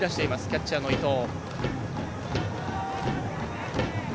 キャッチャーの伊藤。